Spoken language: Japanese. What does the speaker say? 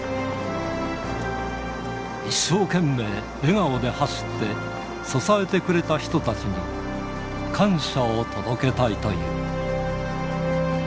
一生懸命笑顔で走って、支えてくれた人たちに感謝を届けたいという。